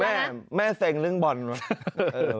หรือแม่เซ็งเรื่องบอนมะ